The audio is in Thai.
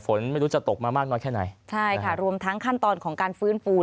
ไม่รู้จะตกมามากน้อยแค่ไหนใช่ค่ะรวมทั้งขั้นตอนของการฟื้นฟู